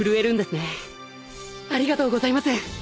ありがとうございます！